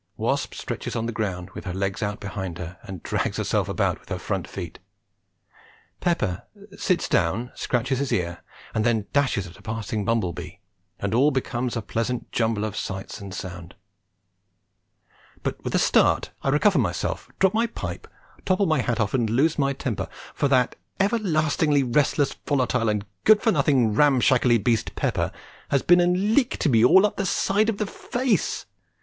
Wasp stretches on the ground, with her legs out behind her, and drags herself about with her front feet. Pepper sits down, scratches his ear, and then dashes at a passing bumble bee, and all becomes a pleasant jumble of sights and sounds; but, with a start, I recover myself, drop my pipe, topple my hat off and lose my temper, for that everlastingly restless, volatile, good for nothing, ramshackly beast, Pepper, has been and licked me all up the side of the face!